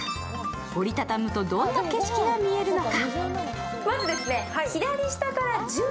折り畳むとどんな景色が見えるのか？